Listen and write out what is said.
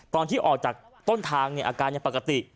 ตอนที่ออกจากต้นทางอาการยังปกติ